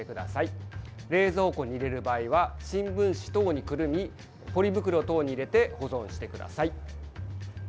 冷蔵庫に入れる場合は新聞紙等にくるみポリ袋等に入れて保存してください。